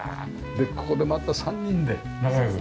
でここでまた３人で仲良く。